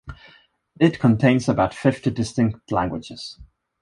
It contains about fifty distinct languages.